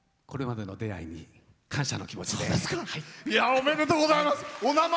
これまでの出会いに感謝の気持ちで。